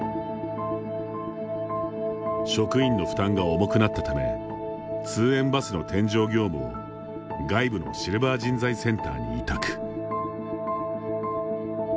職員の負担が重くなったため通園バスの添乗業務を外部のシルバー人材センターに委託。